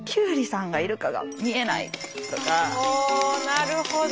なるほど。